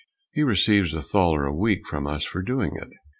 He receives a thaler a week from us for doing it."